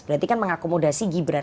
berarti kan mengakomodasi gibran